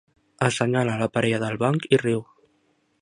Assenyala la parella del banc i riu.